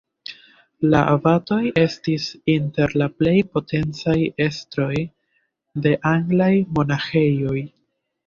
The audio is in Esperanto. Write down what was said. La abatoj estis inter la plej potencaj estroj de anglaj monaĥejoj.